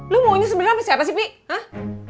lu mau nyusup siapa sih